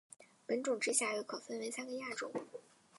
本种之下又可分为三个亚种。